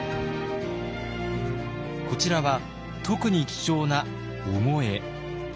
こちらは特に貴重な御後絵。